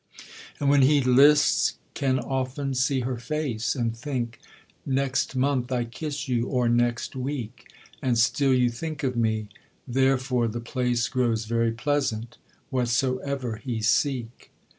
And when he lists can often see her face, And think, 'Next month I kiss you, or next week, And still you think of me': therefore the place Grows very pleasant, whatsoever he seek.